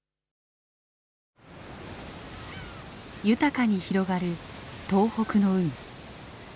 豊かに広がる東北の海。